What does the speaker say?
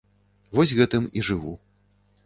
Вось гэтым і жыву.